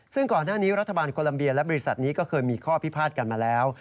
ซึ่งก่อนหน้านี้รัฐบาลโคลัมเบียและบริษัทนี้ก็เคยมีข้อพิพาทกันมาแล้ว